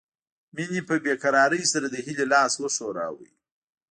مينې په بې قرارۍ سره د هيلې لاس وښوراوه